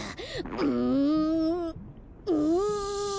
うんうん。